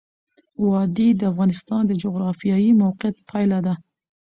وادي د افغانستان د جغرافیایي موقیعت پایله ده.